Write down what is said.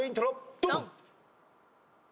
ドン！